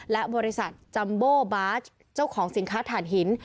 และบริษัทจัมโบบาสเจ้าของสินค้าถ่านหิน